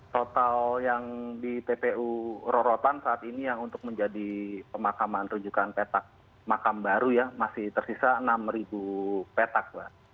total yang di tpu rorotan saat ini yang untuk menjadi pemakaman rujukan petak makam baru ya masih tersisa enam petak mbak